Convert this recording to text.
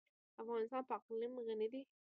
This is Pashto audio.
افغانستان په اقلیم غني دی.